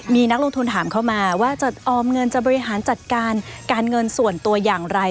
มีนักลงทุนถามเข้ามาว่าจะออมเงินจะบริหารจัดการการเงินส่วนตัวอย่างไร